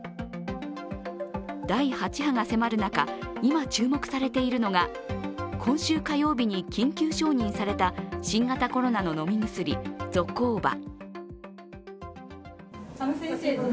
第８波が迫る中、今注目されているのが今週火曜日に緊急承認された新型コロナの飲み薬、ゾコーバ。